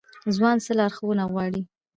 ځوان څه لارښوونه غواړي؟